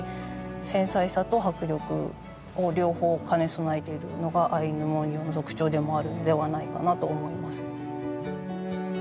繊細さと迫力を両方兼ね備えているのがアイヌ文様の特徴でもあるのではないかなと思います。